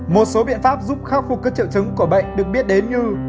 một số biện pháp giúp khắc phục các triệu chứng của bệnh được biết đến như